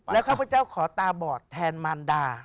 ข้าพเจ้าขอตาบอดแทนมารดา